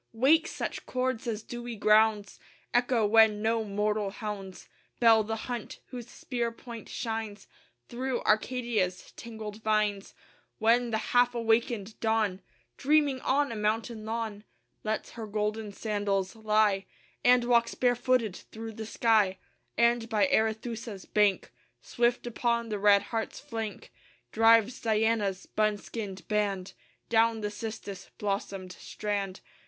Wake such chords as dewy grounds Echo when no mortal hounds Bell the hunt, whose spear point shines Through Arcadia's tangled vines, When the half awakened Dawn, Dreaming on a mountain lawn, Lets her golden sandals lie And walks barefooted through the sky; And by Arethusa's bank, Swift upon the red hart's flank, Drives Diana's buskined band Down the cistus blossomed strand.